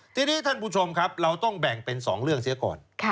ทีนี้ท่านผู้ชมครับเราต้องแบ่งเป็น๒เรื่องเสียก่อน